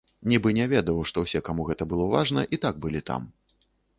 Нібы не ведаў, што ўсе, каму гэта было важна, і так былі там.